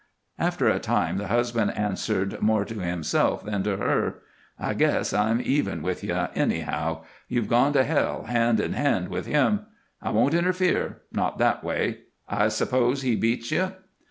After a time the husband answered, more to himself than to her: "I guess I'm even with you, anyhow. You've gone to hell, hand in hand with him. I won't interfere not that way. I s'pose he beats you?"